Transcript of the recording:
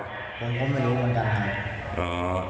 ผมก็ไม่รู้เหมือนกันครับ